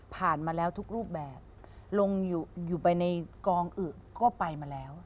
มาแล้วทุกรูปแบบลงอยู่ไปในกองอึก็ไปมาแล้ว